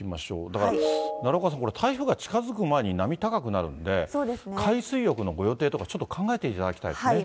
だから奈良岡さん、これ、台風が近づく前に波高くなるので、海水浴のご予定とか、ちょっと考えていただきたいですね。